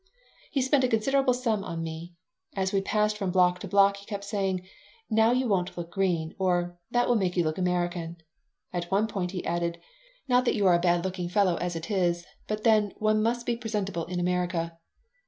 He spent a considerable sum on me. As we passed from block to block he kept saying, "Now you won't look green," or, "That will make you look American." At one point he added, "Not that you are a bad looking fellow as it is, but then one must be presentable in America."